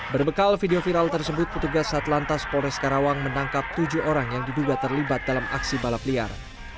berbekal video viral tersebut petugas satlantas polres karawang menangkap tujuh orang yang diduga terlibat dalam aksi balap liar